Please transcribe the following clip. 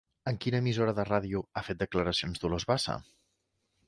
En quina emissora de ràdio ha fet declaracions Dolors Bassa?